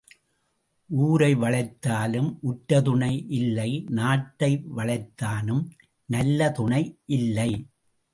ஊரை வளைத்தாலும் உற்ற துணை இல்லை நாட்டை வளைத்தானும் நல்ல துணை இல்லை.